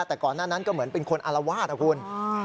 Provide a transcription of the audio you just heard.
แต่ก่อนหน้านั้นก็เหมือนเป็นคนอารวาสนะคุณ